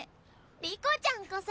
梨子ちゃんこそ！